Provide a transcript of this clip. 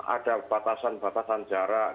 ada batasan batasan jarak